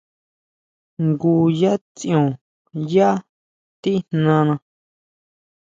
Jngu yá tsión yá tijnana.